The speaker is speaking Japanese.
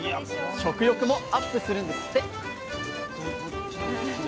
食欲もアップするんですって！